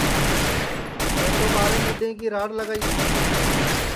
تیں تو ٻاریں موڈؔیں کی راڑ لگائی دؔی